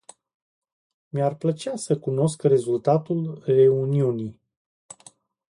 Mi-ar plăcea să cunosc rezultatul reuniunii.